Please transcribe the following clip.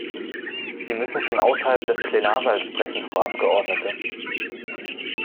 Sie müssen schon außerhalb des Plenarsaals sprechen, Frau Abgeordnete.